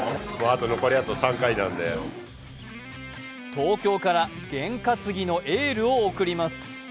東京から験担ぎのエールを送ります。